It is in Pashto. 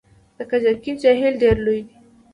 د کجکي جهیل ډیر لوی دی